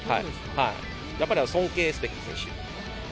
やっぱり尊敬すべき選手。